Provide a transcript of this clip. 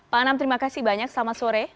pak anam terima kasih banyak selamat sore